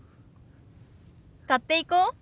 買っていこう。